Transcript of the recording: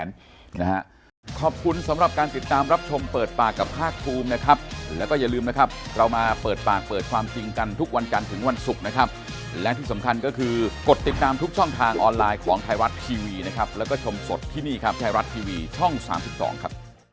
น้องอายุ๑๕ก็ตามกฎหมายเด็กเยาวชนก็ไม่ได้พาไปทำแผนนะฮะ